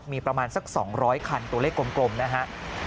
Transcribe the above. มีประมาณสัก๒๐๐คันตัวเลขกลมนะฮะ